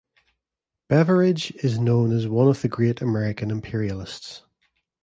Beveridge is known as one of the great American imperialists.